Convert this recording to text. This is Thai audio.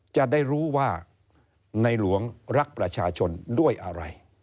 จะได้รู้ว่าในหลวงรักประชาชนด้วยอะไร